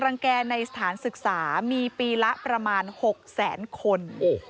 แก่ในสถานศึกษามีปีละประมาณ๖แสนคน